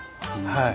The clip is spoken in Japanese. はい。